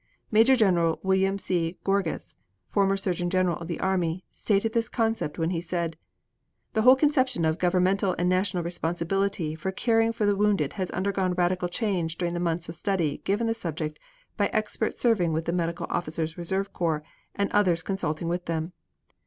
Major General William C. Gorgas, former Surgeon General of the Army, stated this concept when he said: "The whole conception of governmental and national responsibility for caring for the wounded has undergone radical change during the months of study given the subject by experts serving with the Medical Officers' Reserve Corps and others consulting with them.